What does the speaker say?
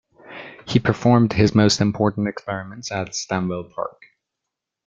He performed his most important experiments at Stanwell Park.